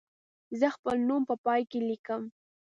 زه خپل نوم په پای کې لیکم.